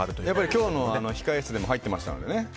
今日の控え室でも入ってましたので。